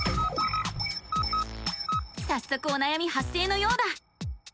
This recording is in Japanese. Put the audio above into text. さっそくおなやみ発生のようだ！